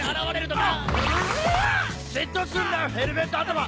嫉妬すんなヘルメット頭！